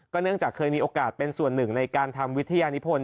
เนื่องจากเคยมีโอกาสเป็นส่วนหนึ่งในการทำวิทยานิพล